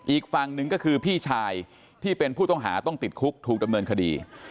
อีกฝั่งหนึ่งก็คือพี่ชายที่เป็นผู้ต้องหาต้องติดคุกถูกดำเนินคดี